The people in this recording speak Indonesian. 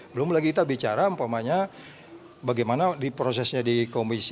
belum lagi kita bicara bagaimana prosesnya dikomunikasi